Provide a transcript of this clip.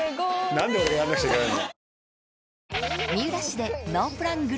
何で俺がやんなくちゃいけない⁉